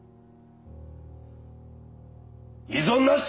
異存なし！